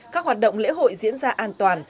các hoạt động lễ hội diễn ra an toàn